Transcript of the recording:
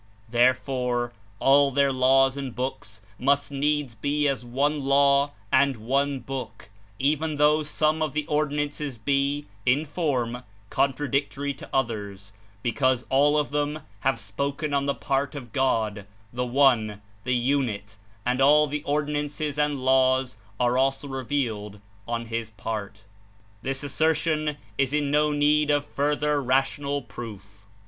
There fore, all their laws and books must needs be as One Law and One Book, even though some of the or dinances be, in form, contradictory to others; because all of them have spoken on the part of God, the One, the Unit, and all the Ordinances and Laws are also revealed on His part. This assertion is in no need of further rational proof.